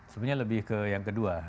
sebenarnya lebih ke yang kedua